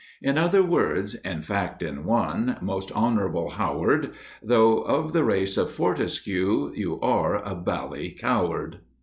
In other words, in fact in one, Most Honourable Howard, Though of the race of Fortescue, You are a bally coward!"